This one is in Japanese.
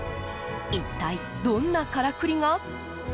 一体どんなからくりが？